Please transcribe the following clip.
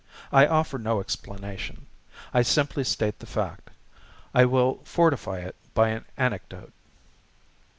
I offer no explanation. I simply state the fact. I will fortify it by an anecdote.